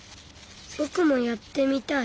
ぼくもやってみたい。